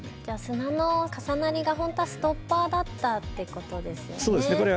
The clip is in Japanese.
じゃあ砂の重なりが本当はストッパーだったってことですよね。